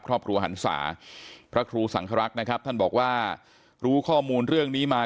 หันศาพระครูสังครักษ์นะครับท่านบอกว่ารู้ข้อมูลเรื่องนี้มา